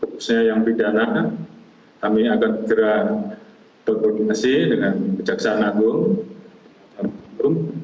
khususnya yang pidana kami akan segera berkoordinasi dengan kejaksaan agung